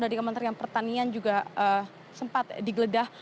dari kementerian pertanian juga sempat digeledah